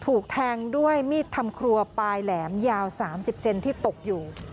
ถูกแทงด้วยมีดทำครัวปลายแหลมยาว๓๐เซนที่ตกอยู่